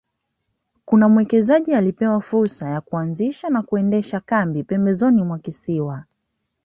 Kuna mwekezaji alipewa fursa ya kuanzisha na kuendesha kambi pembezoni mwa kisiwa